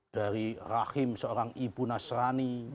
dari rahim seorang ibu nasrani